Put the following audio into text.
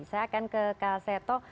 saya akan ke kak seto